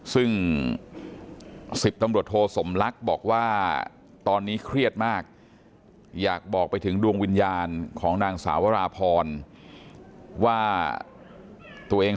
ซึ่ง๑๐ตำรวจโทสมลักษณ์บอกว่าตอนนี้เครียดมากอยากบอกไปถึงดวงวิญญาณของนางสาวราพรว่าตัวเอง